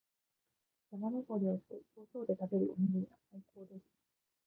山登りをして、頂上で食べるおにぎりは最高です。